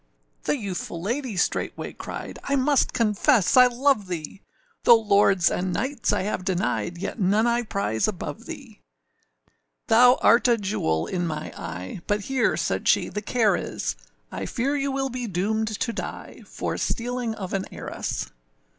The youthful lady straightway cried, âI must confess I love thee, Though lords and knights I have denied, Yet none I prize above thee: Thou art a jewel in my eye, But here,â said she, âthe care is,â I fear you will be doomed to die For stealing of an heiress.